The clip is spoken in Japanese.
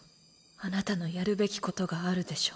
あなたのやるべきことがあるでしょ？